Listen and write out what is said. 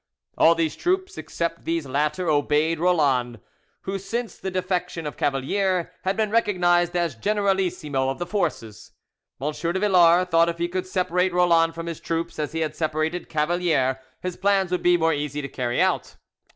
All these troops, except these latter, obeyed Roland, who since the defection of Cavalier had been recognised as generalissimo of the forces. M. de Villars thought if he could separate Roland from his troops as he had separated Cavalier, his plans would be more easy to carry out.